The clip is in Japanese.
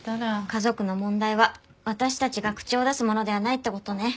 家族の問題は私たちが口を出すものではないって事ね。